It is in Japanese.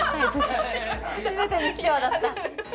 「初めてにしては」だって。